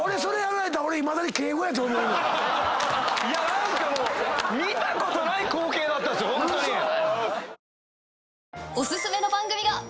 何かもう見たことない光景だったんすよ。